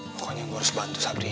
pokoknya gue harus bantu sabri